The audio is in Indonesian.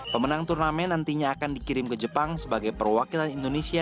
pemenang turnamen nantinya akan dikirim ke jepang sebagai perwakilan indonesia